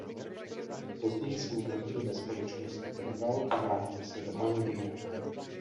Později svůj podíl ve společnosti prodal a vrátil se do Anglie.